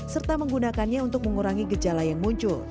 serta menggunakannya untuk mengurangi gejala yang muncul